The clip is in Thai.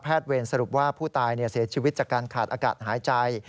เวรสรุปว่าผู้ตายเสียชีวิตจากการขาดอากาศหายใจ